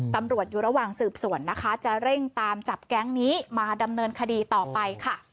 ตำรวจอยู่ระหว่างสืบสวนนะคะจะเร่งตามจับแก๊งนี้มาดำเนินคดีต่อไปค่ะ